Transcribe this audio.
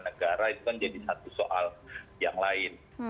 negara itu kan jadi satu soal yang lain